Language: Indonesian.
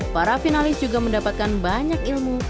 para finalis juga mendapatkan banyak ilmu